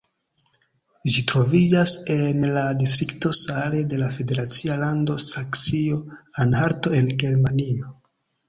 Ĝi troviĝas en la distrikto Saale de la federacia lando Saksio-Anhalto en Germanio.